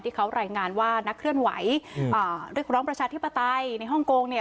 ที่เขารายงานว่านักเคลื่อนไหวเรียกร้องประชาธิปไตยในฮ่องกงเนี่ย